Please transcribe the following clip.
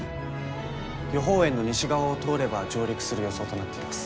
予報円の西側を通れば上陸する予想となっています。